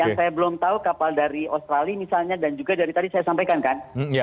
yang saya belum tahu kapal dari australia misalnya dan juga dari tadi saya sampaikan kan